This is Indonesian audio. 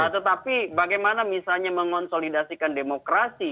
tetapi bagaimana misalnya mengonsolidasikan demokrasi